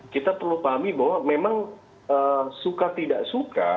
kita perlu pahami bahwa memang suka tidak suka